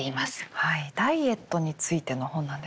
ダイエットについての本なんですね。